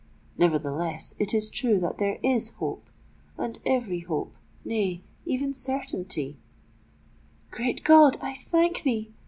Nevertheless, it is true that there is hope—and every hope—nay, even certainty——" "Great God! I thank thee!"